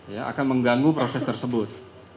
ya akan mengganggu proses tersebut